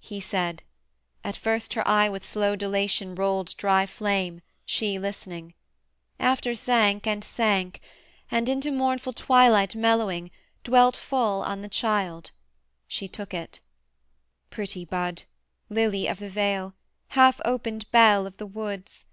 He said: At first her eye with slow dilation rolled Dry flame, she listening; after sank and sank And, into mournful twilight mellowing, dwelt Full on the child; she took it: 'Pretty bud! Lily of the vale! half opened bell of the woods!